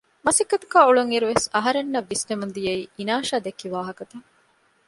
މަސައްކަތުގައި އުޅުންއިރުވެސް އަހަރެންނަށް ވިސްނެމުން ދިޔައީ އިނާޝާ ދެއްކި ވާހަކަތައް